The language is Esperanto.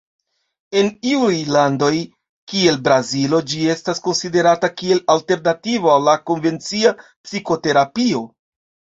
En iuj landoj kiel Brazilo ĝi estas konsiderata kiel alternativo al la konvencia psikoterapio.